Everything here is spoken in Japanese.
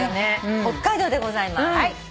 北海道でございます。